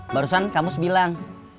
barusan kamus bilang